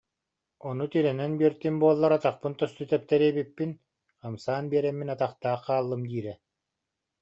Ону тирэнэн биэртим буоллар атахпын тосту тэптэриэ эбиппин, хамсаан биэрэммин атахтаах хааллым диирэ